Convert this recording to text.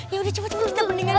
yaudah cepet cepet kita mendinganin